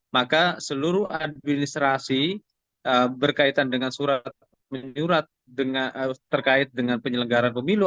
maka seluruh administrasi berkaitan dengan surat menyurat terkait dengan penyelenggaran pemilu